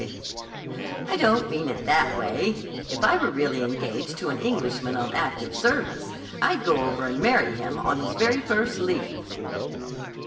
"I don't mean it that way. But if I were really engaged to an Englishman on active service, I'd go over and marry him, on his very first leave."